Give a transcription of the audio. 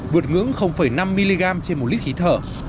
vượt ngưỡng năm mg trên một lít khí thở